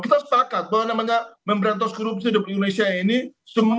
kita sepakat bahwa namanya memberantos korupsi di indonesia ini semua orang